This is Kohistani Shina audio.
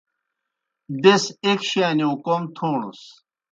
بیْس ایْک شانِیؤ کوْم تھوݨَس۔